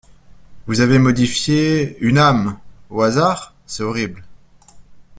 Vous avez modifié… une âme! au hasard? c’est horrible !